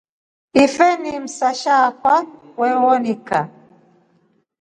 Ife ni msasha akwa wewonika.